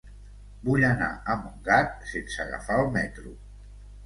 Vull anar a Montgat sense agafar el metro.